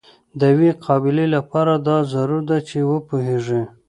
د یوې قابلې لپاره دا ضرور ده چې وپوهیږي.